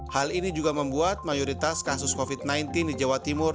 hal ini juga membuat mayoritas kasus covid sembilan belas di jawa timur